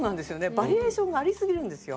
バリエーションがありすぎるんですよ。